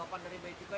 jawaban dari becerita